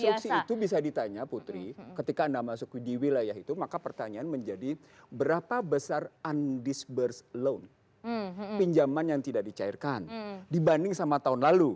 instruksi itu bisa ditanya putri ketika anda masuk di wilayah itu maka pertanyaan menjadi berapa besar undisburse loan pinjaman yang tidak dicairkan dibanding sama tahun lalu